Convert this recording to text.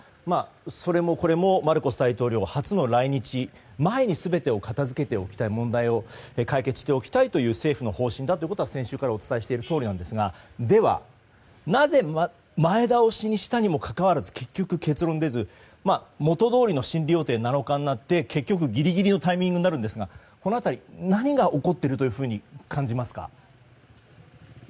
それもこれもマルコス大統領初の来日前に全てを問題を片づけておきたいという政府の方針だということは先週からお伝えしているとおりなんですがでは、なぜ前倒しにしたにもかかわらず結局結論が出ず元どおりの７日の審理予定になり結局、ギリギリのタイミングになるんですがこの辺り何が起こっていると感じますか。